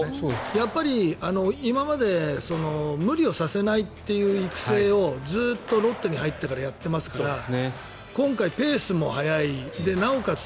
やっぱり、今まで無理をさせないという育成をずっとロッテに入ってからやってますから今回、ペースも早いなおかつ